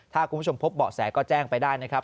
ถ้าคุณผู้ชมพบเบาะแสก็แจ้งไปได้นะครับ